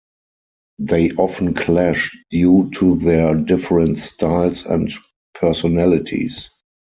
They often clash due to their different styles and personalities.